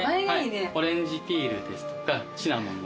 オレンジピールですとかシナモンの。